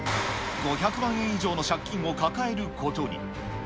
５００万円以上の借金を抱えることに。